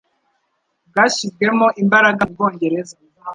bwashyizwemo imbaraga mu Bwongereza,